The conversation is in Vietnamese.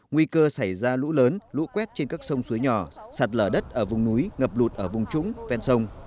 nguy cơ xảy ra lũ lớn lũ quét trên các sông suối nhỏ sạt lở đất ở vùng núi ngập lụt ở vùng trũng ven sông